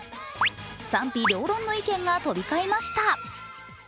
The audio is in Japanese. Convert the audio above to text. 賛否両論の意見が飛び交いました。